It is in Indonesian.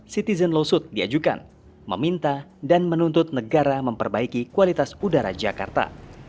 citizen lawsuit diajukan meminta dan menuntut negara memperbaiki kualitas udara jakarta